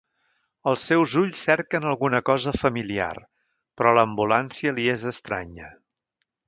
Els seus ulls cerquen alguna cosa familiar, però l’ambulància li és estranya.